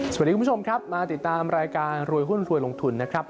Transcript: คุณผู้ชมครับมาติดตามรายการรวยหุ้นรวยลงทุนนะครับ